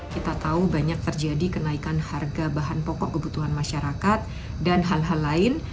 kita tahu banyak terjadi kenaikan harga bahan pokok kebutuhan masyarakat dan hal hal lain